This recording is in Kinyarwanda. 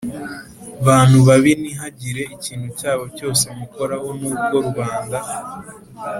bantu babi Ntihagire ikintu cyabo cyose mukoraho Nuko rubanda